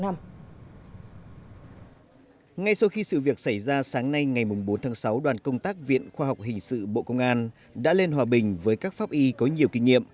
ngay sau khi sự việc xảy ra sáng nay ngày bốn tháng sáu đoàn công tác viện khoa học hình sự bộ công an đã lên hòa bình với các pháp y có nhiều kinh nghiệm